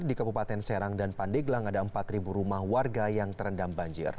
di kabupaten serang dan pandeglang ada empat rumah warga yang terendam banjir